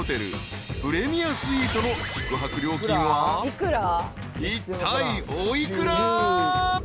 プレミアスイートの宿泊料金はいったいお幾ら？］